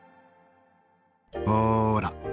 ほら。